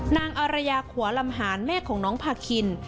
นางอารยาขัวลำหานแม่ของน้องพาคิน